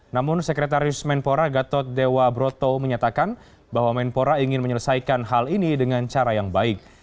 namun sekretaris menpora gatot dewa broto menyatakan bahwa menpora ingin menyelesaikan hal ini dengan cara yang baik